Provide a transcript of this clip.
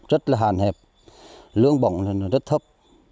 rất là hàn hẹp lương bỏng rất thấp